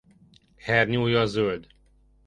Hernyója zöld.